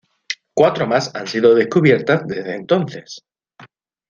Cuatro más han sido descubiertas desde entonces.